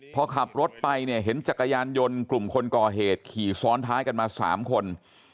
พอขับรถไปเนี่ยเห็นจักรยานยนต์กลุ่มคนก่อเหตุขี่ซ้อนท้ายกันมา๓คน